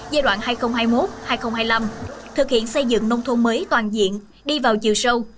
giai đoạn hai nghìn hai mươi một hai nghìn hai mươi năm thực hiện xây dựng nông thôn mới toàn diện đi vào chiều sâu